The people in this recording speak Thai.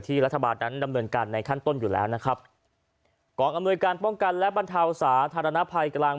รัฐบาลนั้นดำเนินการในขั้นต้นอยู่แล้วนะครับกองอำนวยการป้องกันและบรรเทาสาธารณภัยกำลัง